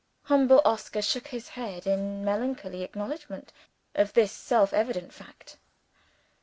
Humble Oscar shook his head in melancholy acknowledgment of this self evident fact.